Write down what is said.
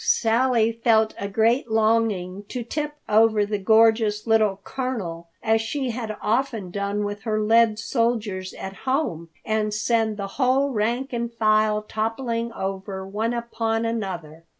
Sally felt a great longing to tip over the gorgeous little Colonel, as she had often done with her lead soldiers at home, and send the whole rank and file toppling over, one upon another.